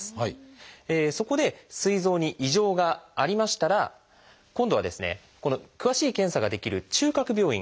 そこですい臓に異常がありましたら今度は詳しい検査ができる中核病院。